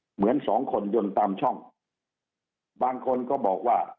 เหมือนสองคนยนต์ตามช่องบางคนก็บอกว่า